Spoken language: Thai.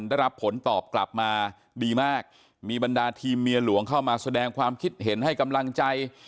ได้รับผลตอบกลับมาดีมากมีบรรดาทีมเมียหลวงเข้ามาแสดงความคิดเห็นให้กำลังใจ